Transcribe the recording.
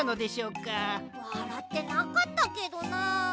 わらってなかったけどな。